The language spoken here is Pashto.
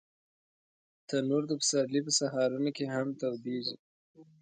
تنور د پسرلي په سهارونو کې هم تودېږي